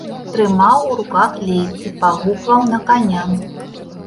Трымаў у руках лейцы, пагукваў на каня.